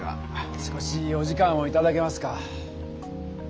少しお時間をいただけますか？